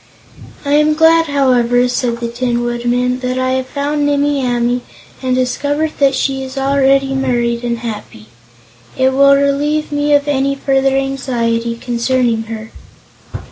"I am glad, however," said the Tin Woodman, "that I have found Nimmie Amee, and discovered that she is already married and happy. It will relieve me of any further anxiety concerning her."